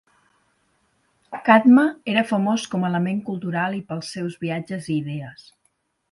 Cadme era famós com a element cultural i pels seus viatges i idees.